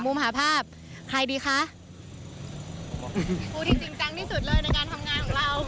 มหาภาพใครดีคะผู้ที่จริงจังที่สุดเลยในงานทำงานของเรา